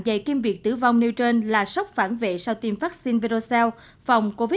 dày kim việt tử vong nêu trên là sốc phản vệ sau tiêm vaccine verocell phòng covid một mươi chín